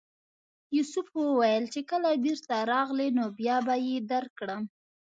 یوسف وویل چې کله بېرته راغلې نو بیا به یې درکړم.